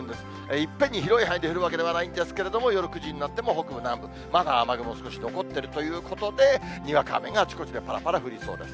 いっぺんに広い範囲で降るわけではないんですが、夜９時になっても北部、南部、まだ雨雲少し残ってるということで、にわか雨があちこちでぱらぱら降りそうです。